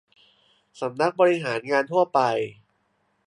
สำนักบริหารงานทั่วไป